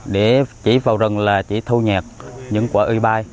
để chỉ vào rừng là chỉ thu nhẹt những quả ươi bay